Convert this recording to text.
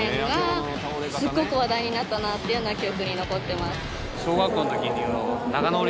っていうのは記憶に残ってます。